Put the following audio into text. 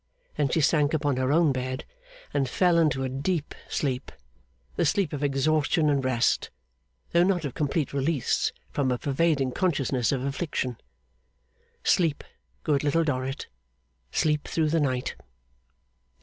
Then she sank upon her own bed, and fell into a deep sleep: the sleep of exhaustion and rest, though not of complete release from a pervading consciousness of affliction. Sleep, good Little Dorrit. Sleep through the night!